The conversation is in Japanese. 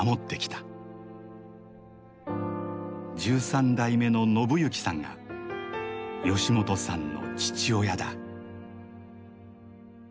１３代目の信幸さんが吉本さんの父親だ。